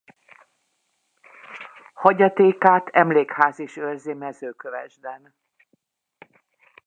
Hagyatékát emlékház is őrzi Mezőkövesden.